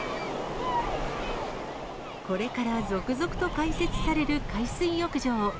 これから続々と開設される海水浴場。